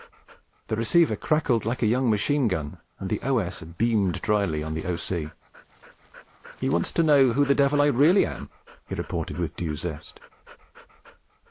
The receiver cackled like a young machine gun, and the O.S. beamed dryly on the O.C. 'He wants to know who the devil I really am!' he reported with due zest.